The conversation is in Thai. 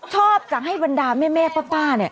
ชอบจะให้บรรดาแม่ปลา